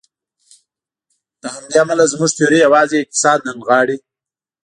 له همدې امله زموږ تیوري یوازې اقتصاد نه نغاړي.